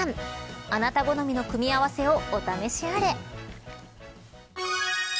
あなた好みの組み合わせをお試しあれ。